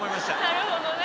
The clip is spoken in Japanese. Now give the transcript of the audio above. なるほどね。